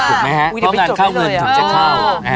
ถูกไหมฮะเพราะงานเข้าเงินถึงจะเข้า